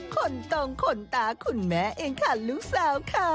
คนตรงขนตาคุณแม่เองค่ะลูกสาวค่ะ